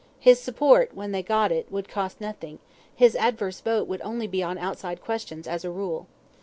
His support, when they got it, would cost nothing; his adverse vote would be only on outside questions, as a rule.